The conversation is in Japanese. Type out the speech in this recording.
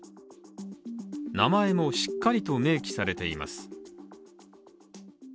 名前もしっかりと明記されています。